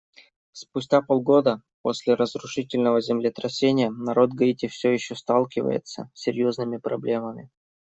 Спустя полтора года после разрушительного землетрясения народ Гаити все еще сталкивается с серьезными проблемами.